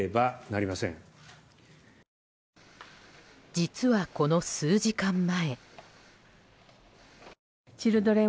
実はこの数時間前。